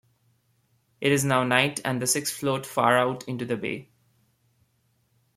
It is now night and the six float far out into the bay.